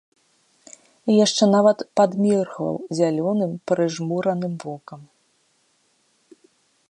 І яшчэ нават падміргваў зялёным прыжмураным вокам.